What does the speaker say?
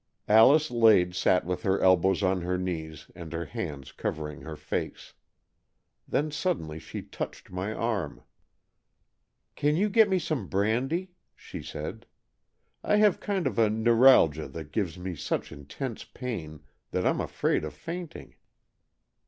Alice Lade sat with her elbows on her knees and her hands covering her face. Then suddenly she touched my arm. " Can you get me some brandy? " she said. " I have a kind of neuralgia that gives me such intense pain, that Fm afraid of fainting."